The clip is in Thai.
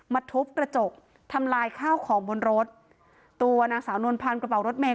ทุบกระจกทำลายข้าวของบนรถตัวนางสาวนวลพันธ์กระเป๋ารถเมย